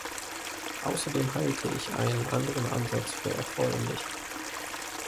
Außerdem halte ich einen anderen Ansatz für erforderlich.